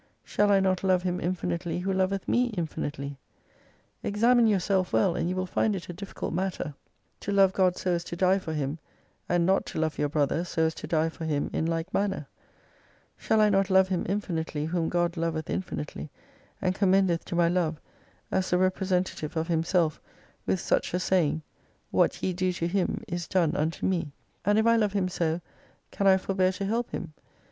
Shall I not love him infinitely who loveth me infinitely ? Examine yourself well, and you will find it a difficult matter to love God 280 so as to die for Him, and not to love your brother so as to die for him in like manner. Shall I not love Him infinitely whom God loveth infinitely, and commendeth to my love, as the representative of Himself, with such a saying, IV/ia^ ve do to him is done unto Me ? And if I love him so, can I forbear to help him